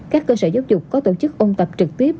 các cơ sở giáo dục có tổ chức ôn tập trực tiếp